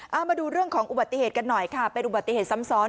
เอามาดูเรื่องของอุบัติเหตุกันหน่อยค่ะเป็นอุบัติเหตุซ้ำซ้อน